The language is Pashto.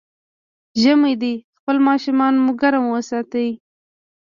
ژمی دی، خپل ماشومان مو ګرم وساتئ.